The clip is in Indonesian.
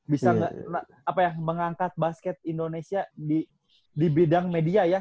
bisa gak apa ya mengangkat basket indonesia di bidang media ya